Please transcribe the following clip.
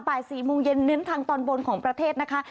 บ่าย๔โมงเย็นเน้นทางตอนบนของประเทศนะคะ